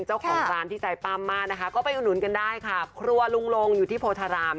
อะไรทำได้เราก็ควรทำ